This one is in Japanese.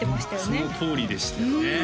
うんそのとおりでしたよね